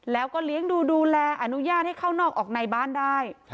แล้วก็เลี้ยงดูดูแลอนุญาตให้เข้านอกออกในบ้านได้